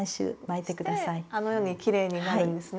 してあのようにきれいになるんですね。